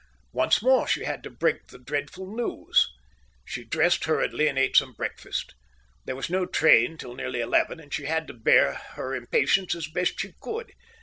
Once more she had to break the dreadful news. She dressed hurriedly and ate some breakfast. There was no train till nearly eleven, and she had to bear her impatience as best she could.